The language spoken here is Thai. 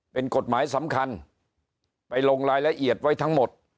เป็นกฎหมายสำคัญไปลงรายละเอียดไว้ทั้งหมด